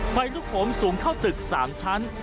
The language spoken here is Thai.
ไฟลุกโหมสูงเข้าตึก๓ชั้น